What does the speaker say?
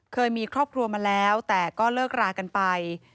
เคยมีครอบครัวมาแล้วแต่ก็เลิกรากันไป